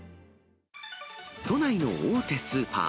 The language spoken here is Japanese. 都内の大手スーパー。